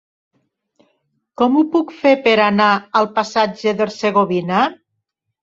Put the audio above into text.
Com ho puc fer per anar al passatge d'Hercegovina?